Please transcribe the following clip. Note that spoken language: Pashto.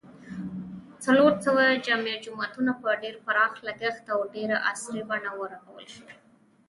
څلورسوه جامع جوماتونه په ډېر پراخ لګښت او ډېره عصري بڼه و رغول